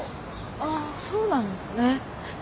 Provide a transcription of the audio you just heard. ああそうなんですね。